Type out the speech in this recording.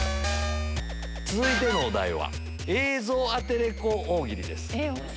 続いてのお題は映像アテレコ大喜利です。